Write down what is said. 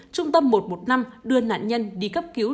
trung tâm một trăm một mươi năm đưa nạn nhân đi cấp cứu